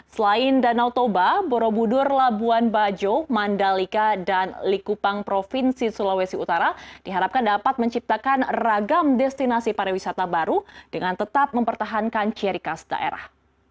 selain danau toba borobudur labuan bajo mandalika dan likupang provinsi sulawesi utara diharapkan dapat menciptakan ragam destinasi pariwisata baru dengan tetap mempertahankan ciri khas daerah